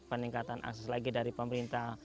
peningkatan akses lagi dari pemerintah